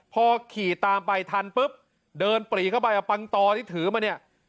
พอขี่ตามไปทันปุ๊บเดินปรีเข้าไปเอาปังตอที่ถือมาเนี่ย